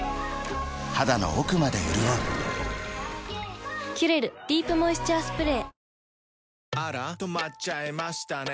肌の奥まで潤う「キュレルディープモイスチャースプレー」